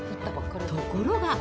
ところが。